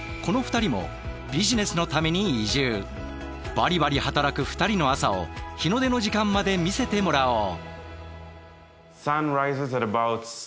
バリバリ働く２人の朝を日の出の時間まで見せてもらおう。